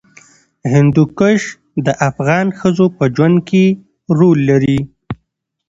هندوکش د افغان ښځو په ژوند کې رول لري.